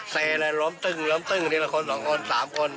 เซเลยล้มตึงลิละคน๒คน๓คน